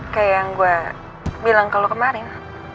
kayak yang gue bilang ke lo kemarin